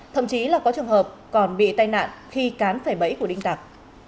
thậm chí là có trường hợp còn bị tai nạn khi cán phải bẫy của đinh tặc